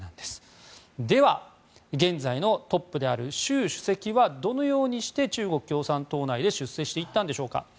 では、現在のトップである習主席はどのようにして、中国共産党内で出世していったんでしょうか。